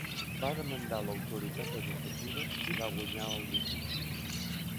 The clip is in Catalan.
Va demandar l'autoritat educativa i va guanyar el litigi.